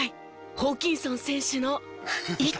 ホーキンソン選手の『糸』。